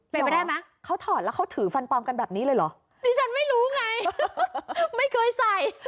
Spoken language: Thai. เป็นไปได้ไหมเขาถอดแล้วเขาถือฟันปลอมกันแบบนี้เลยเหรอดิฉันไม่รู้ไงไม่เคยใส่